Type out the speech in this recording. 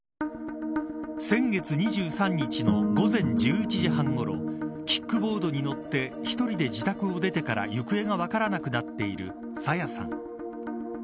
先月２３日の午前１１時半ごろキックボードに乗って１人で自宅を出てから行方が分からなくなっている朝芽さん。